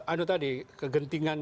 itu tadi kegentingan